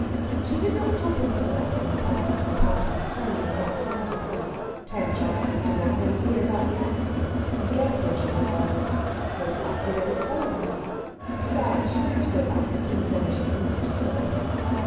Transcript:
She did not trouble herself on the point of her party returning and not finding her. Ten chances to one they would hear about the accident, and guess where she had gone. Most likely they would follow her. Besides, she meant to go back as soon as ever she knew what had happened.